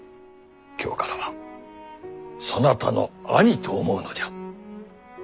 今日からはそなたの兄と思うのじゃ。